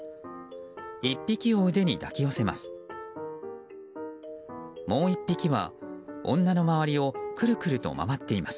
１匹を腕に抱き寄せます。